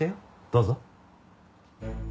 どうぞ。